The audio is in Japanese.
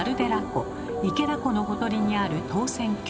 池田湖のほとりにある唐船峡。